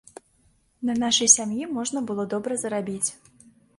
На нашай сям'і можна было добра зарабіць.